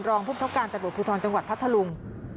รองภพการตรรวจภูทรจังหวัดพัทธลุง